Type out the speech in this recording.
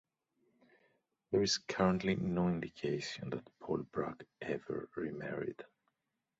There is currently no indication that Paul Bragg ever remarried.